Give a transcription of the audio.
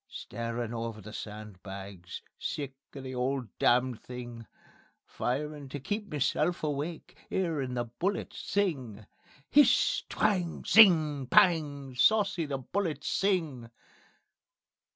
Starin' over the sandbags, Sick of the 'ole damn thing; Firin' to keep meself awake, 'Earin' the bullets sing. _(HISS! TWANG! TSING! PANG! SAUCY THE BULLETS SING.)